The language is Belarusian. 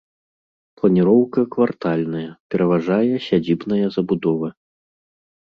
Планіроўка квартальная, пераважае сядзібная забудова.